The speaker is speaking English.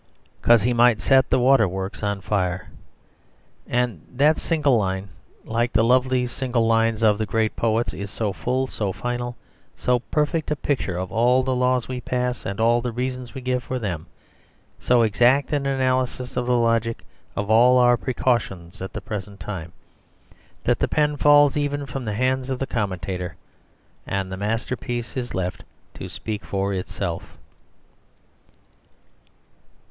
6. 'Cos he might set the water works on fire. And that single line, like the lovely single lines of the great poets, is so full, so final, so perfect a picture of all the laws we pass and all the reasons we give for them, so exact an analysis of the logic of all our precautions at the present time, that the pen falls even from the hands of the commentator; and the masterpiece is left to speak for itself.